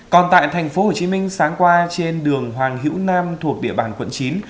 còn tại tp hcm sáng qua trên đường hoàng hữu nam thuộc địa bàn quận chín